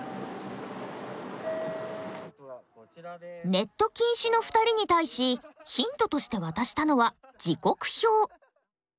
ネット禁止の２人に対しヒントとして渡したのは時刻表。